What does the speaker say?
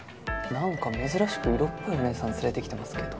なんか珍しく色っぽいお姉さん連れてきてますけど。